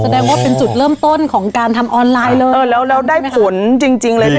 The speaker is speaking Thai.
แสดงว่าเป็นจุดเริ่มต้นของการทำออนไลน์เลยเออแล้วแล้วได้ผลจริงจริงเลยนะ